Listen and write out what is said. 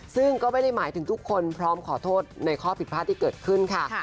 ซึ่งก็ไม่ได้หมายถึงทุกคนพร้อมขอโทษในข้อผิดพลาดที่เกิดขึ้นค่ะ